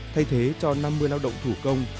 thay thế cho năm mươi lao động thủ công